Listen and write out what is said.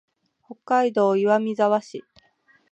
北海道岩見沢市